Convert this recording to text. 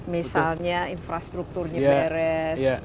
misalnya infrastrukturnya beres